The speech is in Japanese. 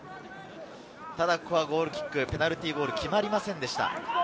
ただここはゴールキック、ペナルティーゴール、決まりませんでした。